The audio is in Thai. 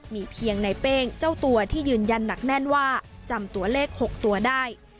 มีเพียงในเป้งเจ้าตัวที่ยืนยันหนักแน่นว่าจำตัวเลข๖ตัวได้